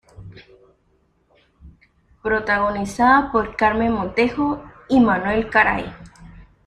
Protagonizada por Carmen Montejo y Manuel Garay.